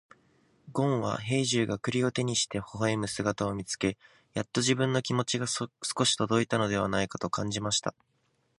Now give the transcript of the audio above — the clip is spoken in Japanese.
ごんは兵十が栗を手にして微笑む姿を見つけ、やっと自分の気持ちが少し届いたのではないかと感じました。